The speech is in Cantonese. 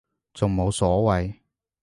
仲冇所謂